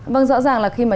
vâng rõ ràng là khi mà